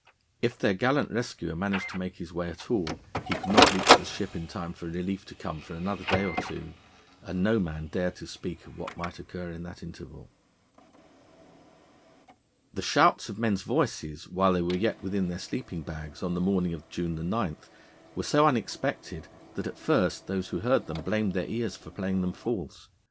If their gallant rescuer managed to make his way at all, he could not reach the ship in time for relief to come for another day or two, and no man dared to speak of what might occur in that interval. The shouts of men's voices while they were yet within their sleeping bags on the morning of June 9 were so unexpected, that, at first, those who heard them blamed their ears for playing them false.